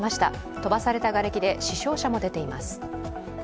飛ばされたがれきで死傷者も出ています。